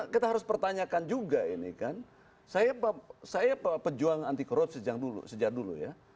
kita harus pertanyakan juga ini kan saya pejuang anti korupsi sejak dulu ya